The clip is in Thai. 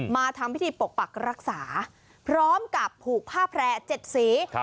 มาทำพิธีปกปักรักษาพร้อมกับผูกผ้าแพร่๗สี